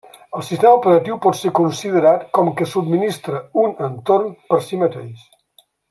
El Sistema Operatiu pot ser considerat com que subministra un entorn per si mateix.